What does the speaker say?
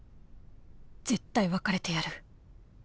絶対別れてやる